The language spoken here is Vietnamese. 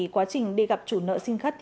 quá trình đi gặp chủ nợ xin khắt